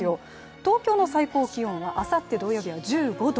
東京の最高気温はあさって土曜日は１５度。